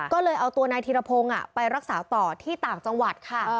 ก็เลยเอาตัวนายธีรพงศ์ไปรักษาต่อที่ต่างจังหวัดค่ะ